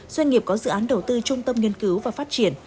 doanh nghiệp có dự án đầu tư trung tâm nghiên cứu và phát triển